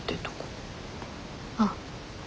あっ。